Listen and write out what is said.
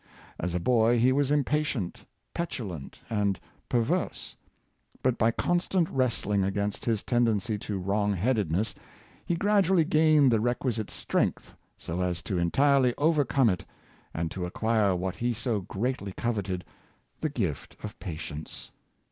As a boy he was impatient, petulant, and perverse; but by constant wrestling against his tendency to wrongheadedness, he gradually gained the requisite strength so as to entirely overcome it, and to acquire what he so greatly coveted — the gift of patience.